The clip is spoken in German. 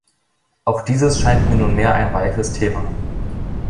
Auch dieses scheint mir nunmehr ein reifes Thema.